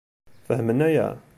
Fehmen aya?